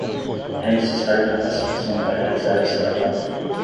É necessário capacitação para realizar esse trabalho.